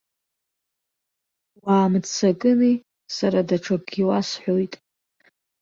Уаамыццакыни, сара даҽакгьы уасҳәоит.